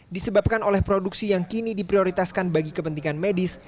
disebabkan oleh produksi yang kini diprioritaskan bagi kepentingan medis